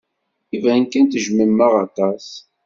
Iban kan tejjmem-aɣ aṭas.